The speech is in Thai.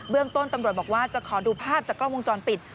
ต้นตำรวจบอกว่าจะขอดูภาพจากกล้องวงจรปิด